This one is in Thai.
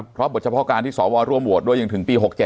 เพราะบทเฉพาะการที่สวร่วมโหวตด้วยยังถึงปี๖๗